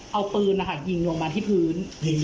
เอาปืนนะคะยิงลงมาที่พื้น